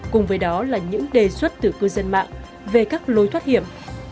cùng với đó là những đề xuất từ cư dân mạng về các lối thoát hiểm